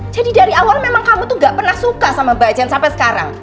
jadi dari awal memang kamu tuh nggak pernah suka sama mbak jen sampai sekarang